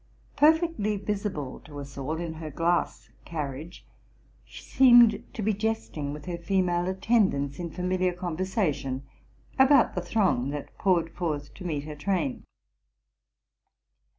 Perfectly visible to us all in her glass carriage, she seemed to be jest ing with her female attendants, in familiar conversation, about the throng that poured forth to meet her train.